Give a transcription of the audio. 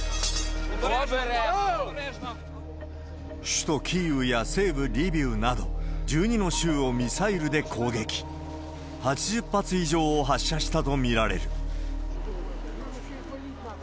首都キーウや西部リビウなど、１２の州をミサイルで攻撃、８０発以上を発射したと見られる。